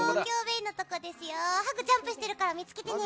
ハグ、ジャンプしてるから見つけてね！